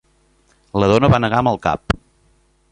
La dona va negar amb el cap.